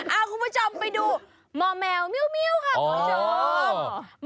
คุณผู้ชมไปดูม่อแมวเมียวค่ะคุณผู้ชม